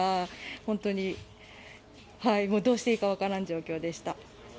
本当にどうしていいか分からない状況でした。